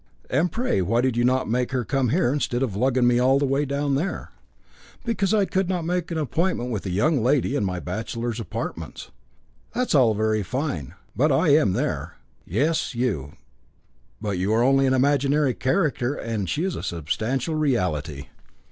"And pray why did you not make her come here instead of lugging me all the way down there?" "Because I could not make an appointment with a young lady in my bachelor's apartments." "That's all very fine. But I am there." "Yes, you but you are only an imaginary character, and she is a substantial reality."